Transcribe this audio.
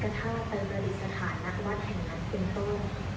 ก็ถ้าเป็นประวัติสถานนักวัดแห่งนั้นเป็นต้น